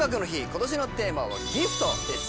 今年のテーマは「ＧＩＦＴギフト」です